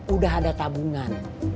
udah ada tabungan